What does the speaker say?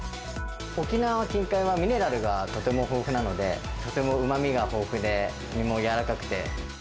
沖縄近海は、ミネラルがとても豊富なので、とてもうまみが豊富で、身も柔らかくて。